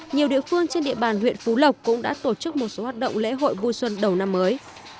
nhiều địa phương trên địa bàn huyện phú lộc cũng đã tổ chức một số hoạt động lễ hội vui xuân đầu năm mới